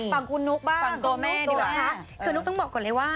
ฝั่งคุณนุ๊กบ้างส่งตัวแม่นิดหน่อยค่ะคือหนุ๊กต้องบอกก่อนเลยว่า